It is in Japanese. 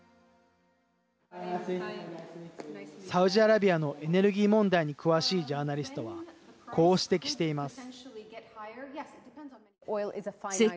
サウジアラビアのエネルギー問題に詳しいジャーナリストはこう指摘しています。